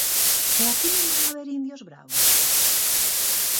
–¿E aquí non vai haber indios bravos?